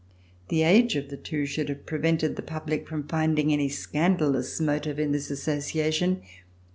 The age of the two should have prevented the public from finding any scandal ous motive in this association.